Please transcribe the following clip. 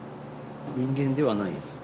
人間ではないです。